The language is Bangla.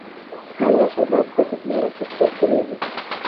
ভালোবাসার ভাবগতিক মেয়েরা খুব চট করিয়া বোঝে।